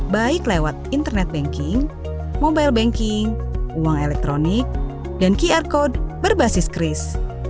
baik lewat internet banking mobile banking uang elektronik dan qr code berbasis kris